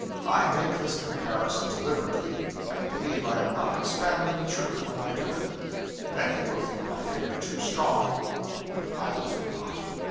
I make this comparison deliberately, and believe I am not expanding the truth when I do it. Many will think my figure too strong, but pilots will not.